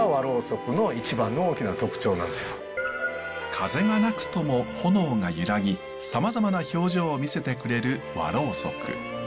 風がなくとも炎が揺らぎさまざまな表情を見せてくれる和ろうそく。